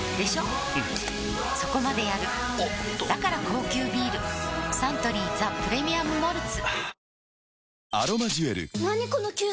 うんそこまでやるおっとだから高級ビールサントリー「ザ・プレミアム・モルツ」はぁー